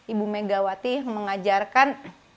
ibu megawati mengajarkan